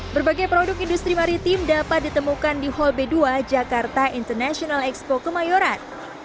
berbagai produk industri maritim dapat ditemukan di hall b dua jakarta international expo kemayoran